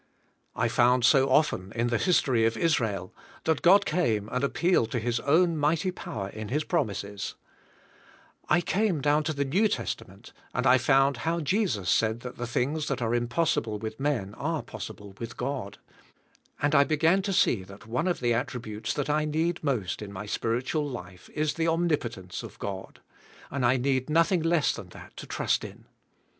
I found so often, in the history of Israel, that God came and appealed to His own mig"hty power in His promises; I came down to the New Testament and I found how Jesus said that the thing's that are impossible with men are possible with God, and I beg an to see that one of the attri butes that I need most in my spiritual life is the omnipotence of God; and I need nothing* less than that to trust in.